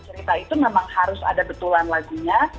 karena saya merasa itu memang harus ada betulan lagunya